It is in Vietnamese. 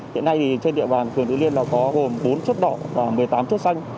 hiện nay thì trên địa bàn phường tứ liên là có gồm bốn chốt đỏ và một mươi tám chốt xanh